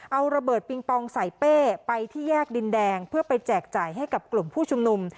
เอาระเบิดปิงปองใส่เป้ไปที่แยกดินแดงเพื่อไปแจกจ่ายให้กับกลุ่มผู้ชุมนุม